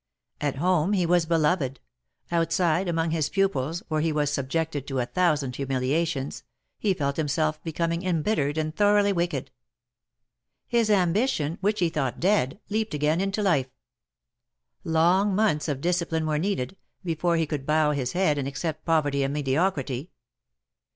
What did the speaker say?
At home he was beloved; outside, among his pupils, where he was subjected to a thousand humiliations, he felt himself becoming embittered and thoroughly wicked. His ambition, which he thought dead, leaped again into life; long months of discipline were needed, before he could bow his head and accept poverty and mediocrity.